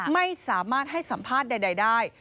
ไม่สามารถให้สัมภาษณ์ใดได้